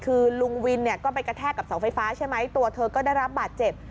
คือลุงวินเนี่ยก็ไปกระแทกกับเสาไฟฟ้าใช่ไหมตัวเธอก็ได้รับบาดเจ็บ